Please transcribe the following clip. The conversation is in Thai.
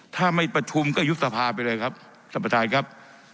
ถ้าไม่ประชุมก็ยุบสภาไปเลยครับสัมปัติภัยครับ